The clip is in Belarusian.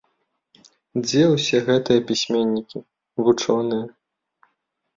Дзе ўсе гэтыя пісьменнікі, вучоныя?